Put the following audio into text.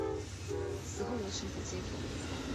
死后由程普接替。